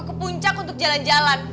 ke puncak untuk jalan jalan